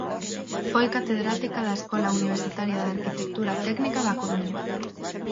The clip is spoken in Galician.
Foi catedrática da Escola Universitaria de Arquitectura Técnica da Coruña.